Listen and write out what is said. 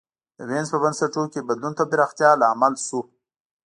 د وینز په بنسټونو کي بدلون د پراختیا لامل سو.